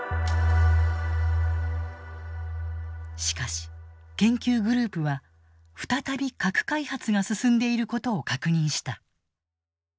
しかし研究グループは再び核開発が進んでいることを確認した。